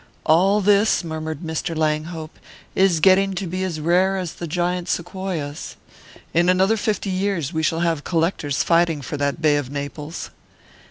"All this," murmured Mr. Langhope, "is getting to be as rare as the giant sequoias. In another fifty years we shall have collectors fighting for that Bay of Naples."